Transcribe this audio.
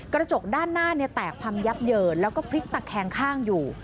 กระจกด้านหน้าแตกพังยับเยินแล้วก็พลิกตะแคงข้างอยู่